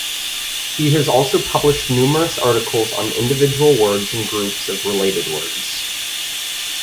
He has also published numerous articles on individual words and groups of related words.